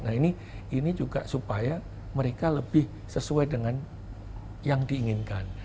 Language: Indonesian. nah ini juga supaya mereka lebih sesuai dengan yang diinginkan